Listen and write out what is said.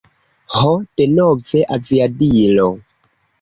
Ho, denove aviadilo.